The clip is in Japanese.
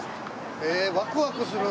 ええワクワクする。